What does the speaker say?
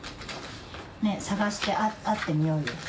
ねえ、捜して会ってみようよ。